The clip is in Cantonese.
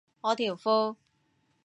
我條褲